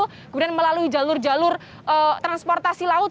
kemudian melalui jalur jalur transportasi laut